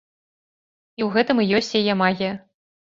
І ў гэтым і ёсць яе магія.